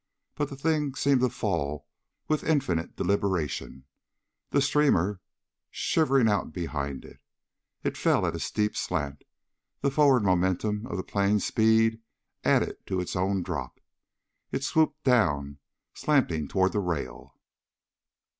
But the thing seemed to fall with infinite deliberation, the streamer shivering out behind it. It fell at a steep slant, the forward momentum of the plane's speed added to its own drop. It swooped down, slanting toward the rail....